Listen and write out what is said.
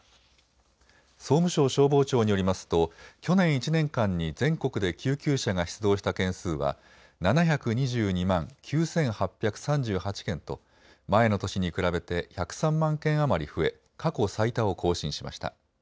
総務省消防庁によりますと去年１年間に全国で救急車が出動した件数は７２２万９８３８件と前の年に比べて１０３万件余り増え、過去最多を更新しました。